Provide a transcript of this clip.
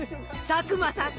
佐久間さん